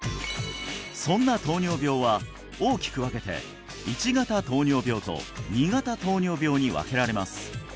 そんな糖尿病は大きく分けて１型糖尿病と２型糖尿病に分けられます